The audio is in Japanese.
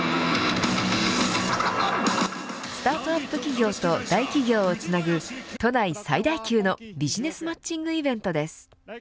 スタートアップ企業と大企業をつなぐ都内最大級のビジネスマッチングイベントです。